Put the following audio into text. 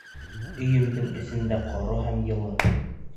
Өйөмдөң эсендә ҡоро һәм йылы.